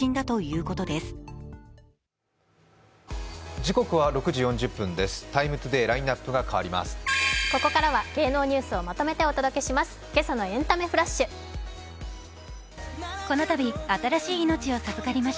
ここからは芸能ニュースをまとめてお届けします。